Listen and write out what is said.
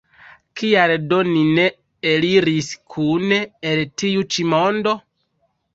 Kial do ni ne eliris kune el tiu ĉi mondo?